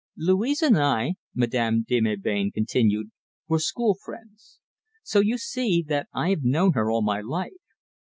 "Louise and I," Madame de Melbain continued, "were school friends. So you see that I have known her all my life.